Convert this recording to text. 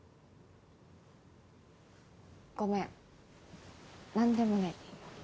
ごめん何でもない。